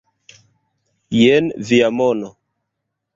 Jen via mono